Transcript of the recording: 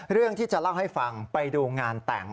เรื่องที่จะเล่าให้ฟังไปดูงานแต่ง